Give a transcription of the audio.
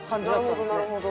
なるほどなるほど。